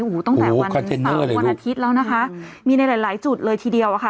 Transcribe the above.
โอ้โหตั้งแต่วันเสาร์วันอาทิตย์แล้วนะคะมีในหลายหลายจุดเลยทีเดียวอะค่ะ